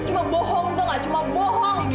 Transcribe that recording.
tolong buka pintu indi